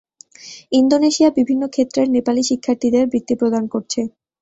Indonesia বিভিন্ন ক্ষেত্রের নেপালী শিক্ষার্থীদের বৃত্তি প্রদান করছে।